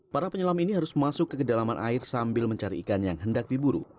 para penyelam ini harus masuk ke kedalaman air sambil mencari ikan yang hendak diburu